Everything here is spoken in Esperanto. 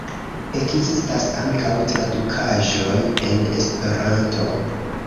Ekzistas ankaŭ tradukaĵoj en Esperanto.